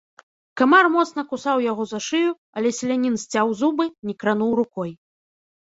Камар моцна кусаў яго за шыю, але селянін сцяў зубы, не крануў рукой.